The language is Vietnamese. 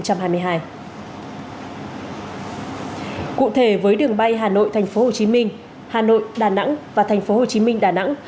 cụ thể với đường bay hà nội tphcm hà nội đà nẵng và tp hcm đà nẵng